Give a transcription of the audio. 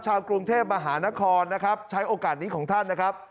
ชาวกรุงเทพมหานครนะครับใช้โอกาสนี้ของท่านนะครับ